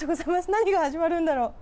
何が始まるんだろう。